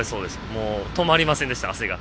もう止まりませんでした、汗が。